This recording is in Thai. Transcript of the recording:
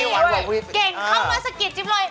เก่งเข้ามาสะกิดจิ๊บเลย